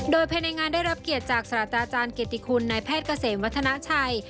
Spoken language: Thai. โดยภายในงานได้รับเกียรติจากศาสตราจารย์เกียรติคุณนายแพทย์เกษมวัฒนาชัย